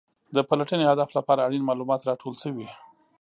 د پلټنې هدف لپاره اړین معلومات راټول شوي.